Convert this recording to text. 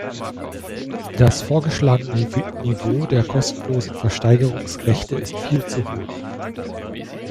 Das vorgeschlagene Niveau der kostenlosen Versteigerungsrechte ist viel zu hoch.